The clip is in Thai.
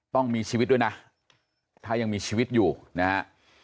ต้องมีชีวิตด้วยนะถ้ายังมีชีวิตอยู่นะฮะ